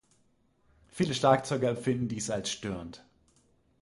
Viele Schlagzeuger empfinden dies als störend.